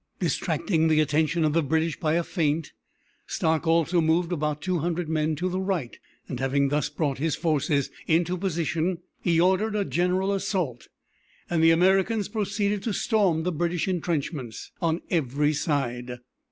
Distracting the attention of the British by a feint, Stark also moved about two hundred men to the right, and having thus brought his forces into position he ordered a general assault, and the Americans proceeded to storm the British intrenchments on every side.